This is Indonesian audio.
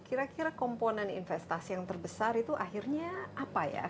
kira kira komponen investasi yang terbesar itu akhirnya apa ya